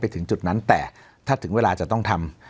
ถึงจุดนั้นแต่ถ้าถึงเวลาจะต้องทำ